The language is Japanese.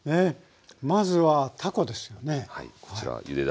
まずはたこですよね。